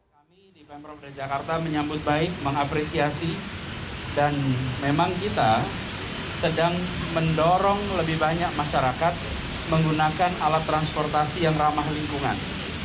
kami di pemprov jakarta menyambut baik mengapresiasi dan memang kita sedang mendorong lebih banyak masyarakat menggunakan alat transportasi yang ramah lingkungan